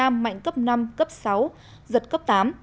mạnh cấp năm cấp sáu giật cấp tám